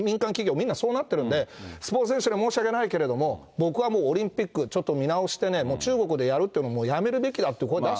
みんなそうなってるんで、スポーツ選手には申し訳ないんだけれども、僕はもうオリンピック、ちょっと見直してね、中国でやるというのは、もう、やめるべきだと声